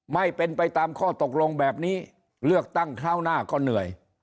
ไม่เป็นไปตามข้อตกลงแบบนี้เลือกตั้งคราวหน้าก็เหนื่อย